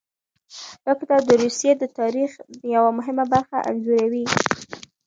دا کتاب د روسیې د تاریخ یوه مهمه برخه انځوروي.